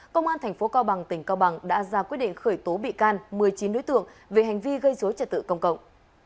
công an tp hcm đã ra quyết định khởi tố bị can một mươi chín đối tượng về hành vi gây dối trật tự công cộng